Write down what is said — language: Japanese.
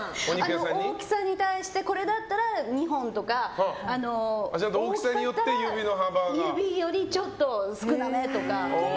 大きさに対してこれだったら２本とか。大きかったら指より少なめとか。